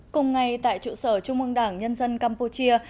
cùng ngày tại trụ sở trung ương đảng nhân dân campuchia